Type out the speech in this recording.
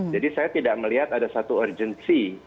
jadi saya tidak melihat ada satu urgency